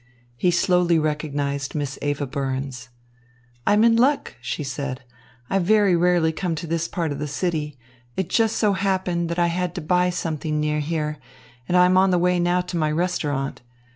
He slowly recognised Miss Eva Burns. "I'm in luck," she said. "I very rarely come to this part of the city. It just so happened that I had to buy something near here, and I am on the way now to my restaurant.